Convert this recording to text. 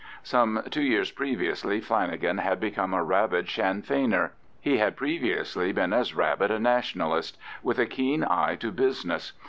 Some two years previously Flanagan had become a rabid Sinn Feiner—he had previously been as rabid a Nationalist—with a keen eye to business.